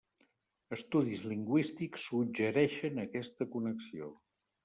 Estudis lingüístics suggereixen aquesta connexió.